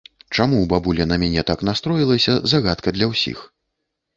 Чаму бабуля на мяне так настроілася, загадка для ўсіх.